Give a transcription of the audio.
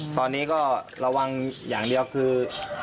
ตอนนี้ก็ระวังอย่างเดียวคือ